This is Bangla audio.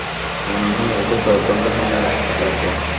মনে হয়, ওকে কয়েক ঘন্টা সামলে রাখতে পারবে?